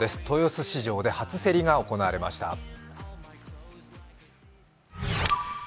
豊洲市場で初競りが行われました。